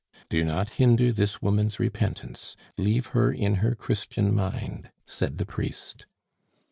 "Do not hinder this woman's repentance, leave her in her Christian mind," said the priest.